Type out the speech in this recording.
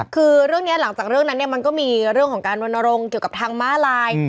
คือเรื่องนี้หลังจากเรื่องนั้นเนี่ยมันก็มีเรื่องของการรณรงค์เกี่ยวกับทางม้าลาย